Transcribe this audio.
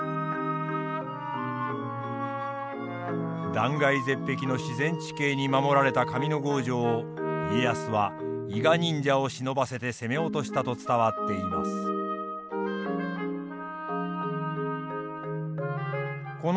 断崖絶壁の自然地形に守られた上ノ郷城を家康は伊賀忍者を忍ばせて攻め落としたと伝わっています。